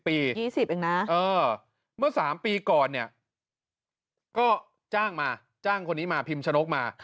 ๒๐อีกนะเออเมื่อ๓ปีก่อนจ้างมาจ้างคนนี้มาพิมชนกมา